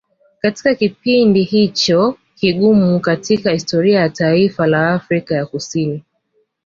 katika kipindi hicho kigumu katika historia ya taifa la Afrika ya kusini